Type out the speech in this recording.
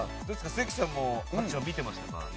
関さんも「ハッチ」見てましたか？